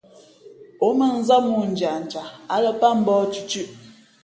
Ǒ mᾱnzám mōō ndiandia, ǎ lα pát mbōh tʉtʉ̄ʼ.